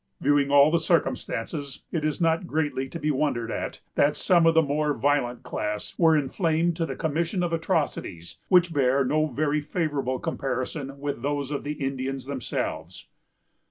Viewing all the circumstances, it is not greatly to be wondered at that some of the more violent class were inflamed to the commission of atrocities which bear no very favorable comparison with those of the Indians themselves.